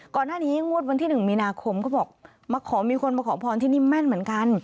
ก่อนหน้านี้งวดวันที่๑มีนาคมเขาบอกมาขอมีคนมาขอพรที่นี่แม่นเหมือนกัน